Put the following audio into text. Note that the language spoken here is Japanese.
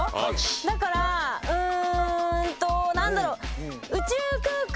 だからうーんと何だろう。